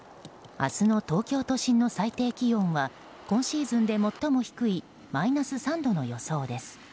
明日の東京都心の最低気温は今シーズンで最も低いマイナス３度の予想です。